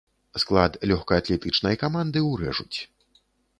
Склад лёгкаатлетычнай каманды ўрэжуць.